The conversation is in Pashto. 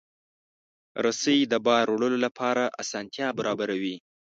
رسۍ د بار وړلو لپاره اسانتیا برابروي.